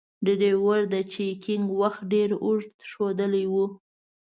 ډریور د چکینګ وخت ډیر اوږد ښودلای و.